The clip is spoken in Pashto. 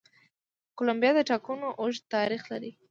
کولمبیا د ټاکنو اوږد تاریخ لري.